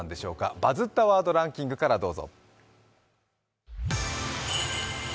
「バズったワードランキング」からどうぞ。